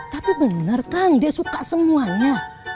tapi benar kang dia suka semuanya